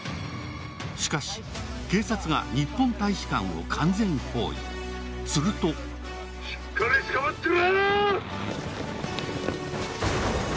しかし、警察が日本大使館を完全包囲、するとしっかりつかまってろ！